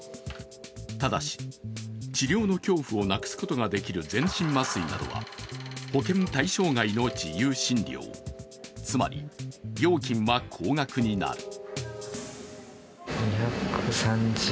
ただし、治療の恐怖をなくすことができる全身麻酔などは保険対象外の自由診療、つまり料金は高額になる。